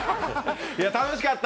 楽しかった。